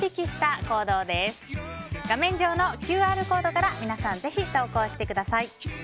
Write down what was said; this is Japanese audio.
右上のＱＲコードから皆さん、ぜひ投稿してください。